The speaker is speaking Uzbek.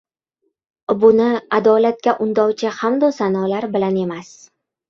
Buni adolatga undovchi hamdu sanolar bilan emas.